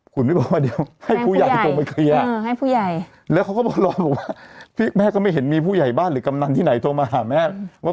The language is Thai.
คุณไม่บอกว่าเดี๋ยวให้ผู้ใหญ่ที่โทรมาเคลียร์แล้วเขาบอกว่าแม่ก็ไม่เห็นมีผู้ใหญ่บ้านหรือกำนันที่ไหนโทรมาหาแม่